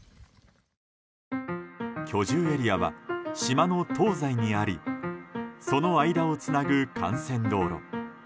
居住エリアは島の東西にありその間をつなぐ幹線道路。